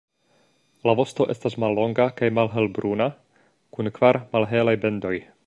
La vosto estas mallonga kaj malhelbruna kun kvar malhelaj bendoj.